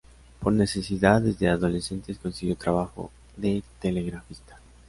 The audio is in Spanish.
Por necesidad, desde adolescente consiguió trabajo de telegrafista.